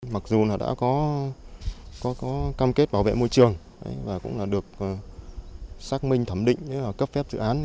mặc dù là đã có cam kết bảo vệ môi trường và cũng là được xác minh thẩm định cấp phép dự án